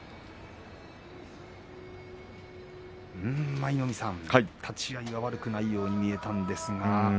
舞の海さん、立ち合いは悪くないように見えたんですが。